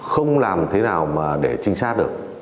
không làm thế nào mà để trinh sát được